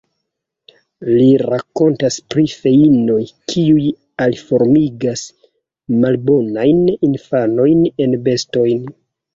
Li rakontas pri feinoj, kiuj aliformigas malbonajn infanojn en bestojn.